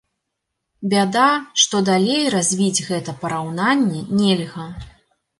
Бяда, што далей развіць гэта параўнанне нельга.